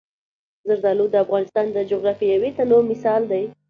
زردالو د افغانستان د جغرافیوي تنوع مثال دی.